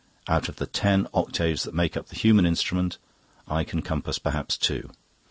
Out of the ten octaves that make up the human instrument, I can compass perhaps two.